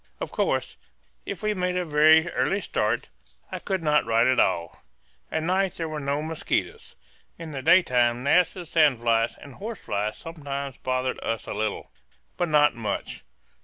Of course, if we made a very early start I could not write at all. At night there were no mosquitoes. In the daytime gnats and sand flies and horse flies sometimes bothered us a little, but not much.